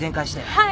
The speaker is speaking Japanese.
はい。